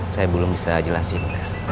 saya belum bisa jelasin